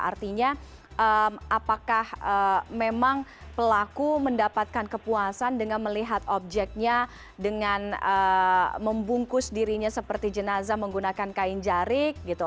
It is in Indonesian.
artinya apakah memang pelaku mendapatkan kepuasan dengan melihat objeknya dengan membungkus dirinya seperti jenazah menggunakan kain jarik gitu